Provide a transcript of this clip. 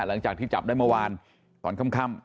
หลังจากที่จับได้เมื่อวานตอนค่ำ